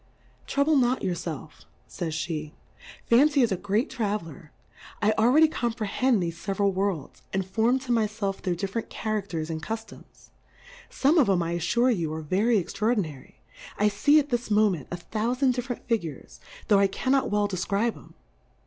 Trouble not your felf, fays Jl:e^ Fancy is a great Traveller ; I al ready comprehend thefe feveral Worlds, and form to my felf their different Cha rafters and Cuftoms ; Ibme of 'em, I affure you, are very extraordinary ; I fee at this Moment, a thoufand diffe rent Figures, tho' I cannot well defcribe 'em.